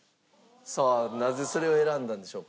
さあなぜそれを選んだんでしょうか？